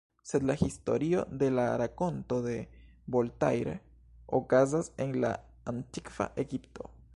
Sed la historio de la rakonto de Voltaire okazas en la Antikva Egipto.